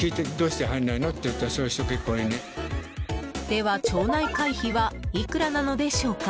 では町内会費はいくらなのでしょうか。